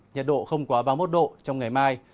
nhiệt độ không quá ba mươi một độ trong ngày mai